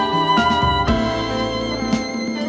สวัสดีค่ะ